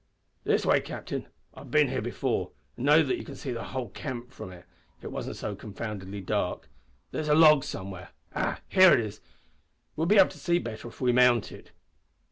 "This way, captain; I've bin here before, an' know that you can see the whole camp from it if it wasn't so confoundedly dark. There's a log somewhere ah, here it is; we'll be able to see better if we mount it."